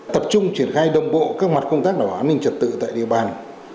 tập trung triển khai đồng bộ các mặt công tác đảo an ninh trật tự tại địa bàn